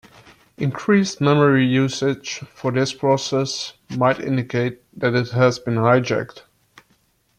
Increased memory usage for this process might indicate that it has been "hijacked".